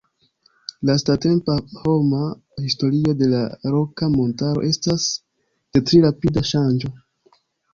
Lastatempa homa historio de la Roka Montaro estas de pli rapida ŝanĝo.